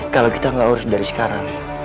kalau kita nggak urus dari sekarang